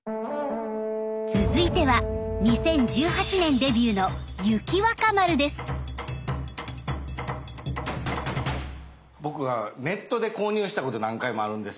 続いては２０１８年デビューの僕はネットで購入したこと何回もあるんです。